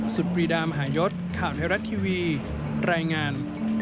ปรีดามหายศข่าวไทยรัฐทีวีรายงาน